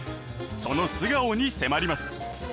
その素顔に迫ります